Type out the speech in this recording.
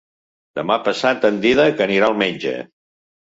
Demà passat en Dídac anirà al metge.